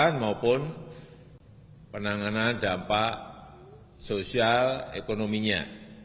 jangan sampai kita menanggung penanganan dampak sosial ekonominya